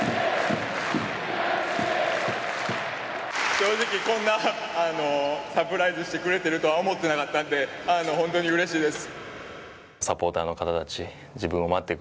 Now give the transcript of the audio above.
正直、こんなサプライズしてくれてるとは思ってなかったんで本当にうれしいです。